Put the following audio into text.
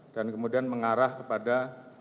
dan kemudian mengarah kepada